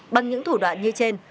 bằng những thủ đoạn